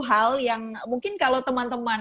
hal yang mungkin kalau teman teman